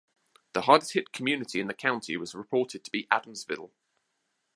The hardest hit community in the county was reported to be Adamsville.